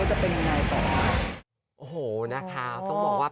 จริง๒ปีรู้สึกว่านานกว่านั้นเนอะ